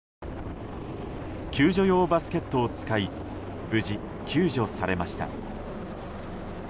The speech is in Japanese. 救助用バスケットを使い無事、救助されました。